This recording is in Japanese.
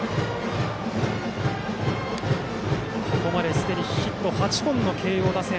ここまですでにヒット８本の慶応打線。